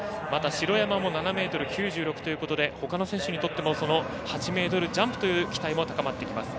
城山も７ｍ９６ということでほかの選手にとっても８ｍジャンプという期待も高まってきます。